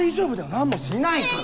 何もしないから！